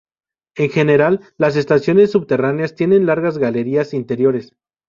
En general, las estaciones subterráneas tienen largas galerías interiores.